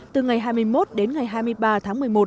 từ ngày hai mươi một đến ngày hai mươi ba tháng một mươi một